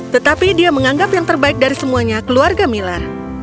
tetapi dia menganggap yang terbaik dari semuanya keluarga miller